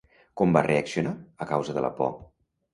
Com va reaccionar, a causa de la por?